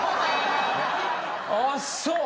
あっそう。